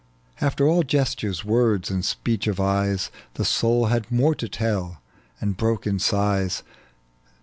After all gestures, words, aad speech of eyes, The soul had more to tell, and broke in sighs.